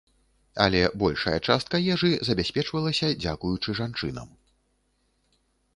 Але большая частка ежы забяспечвалася дзякуючы жанчынам.